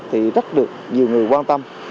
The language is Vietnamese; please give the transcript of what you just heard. thì rất được nhiều người quan tâm